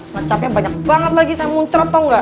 kecapnya banyak banget lagi saya muntar tau gak